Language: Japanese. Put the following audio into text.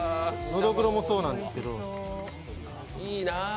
ノドグロもそうなんですけど。